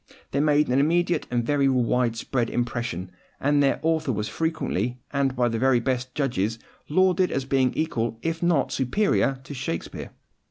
They made an immediate and very widespread impression; and their author was frequently, and by the very best judges, lauded as being equal, if not superior, to Shakespeare.